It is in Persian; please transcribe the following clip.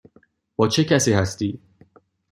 با چه کسی هستی؟